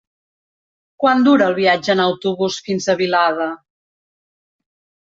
Quant dura el viatge en autobús fins a Vilada?